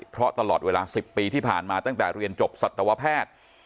เพราะตลอดเวลา๑๐ปีที่ผ่านมาตั้งแต่เรียนจบสัตวแพทย์